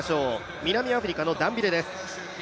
南アフリカのダンビレです。